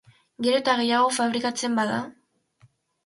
Gero eta gehiago fabrikatzen bada